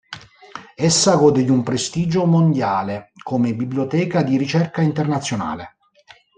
Essa gode di un prestigio mondiale come biblioteca di ricerca internazionale.